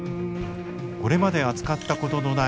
これまで扱ったことのない